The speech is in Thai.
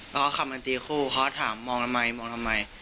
แล้วก็คำมันตีคู่เขาถามมองทำไมมองทำไม